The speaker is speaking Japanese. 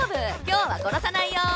今日は殺さないよ。